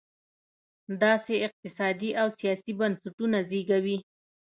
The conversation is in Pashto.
داسې اقتصادي او سیاسي بنسټونه زېږوي.